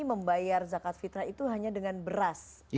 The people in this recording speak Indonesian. membayar zakat fitrah itu hanya dengan beras